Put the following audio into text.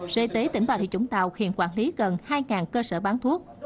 sở y tế tỉnh bà rịa vũng tàu hiện quản lý gần hai cơ sở bán thuốc